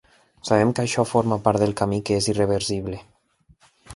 Sabem que això forma part del camí que és irreversible.